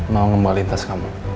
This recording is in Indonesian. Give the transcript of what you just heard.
mau ngembalikan tas kamu